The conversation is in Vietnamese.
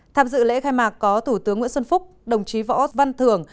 tham dự lễ khai mạc có thủ tướng nguyễn xuân phúc đồng chí võ văn thưởng